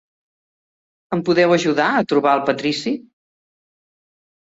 Em podeu ajudar a trobar el patrici?